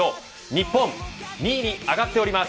日本２位に上がっております。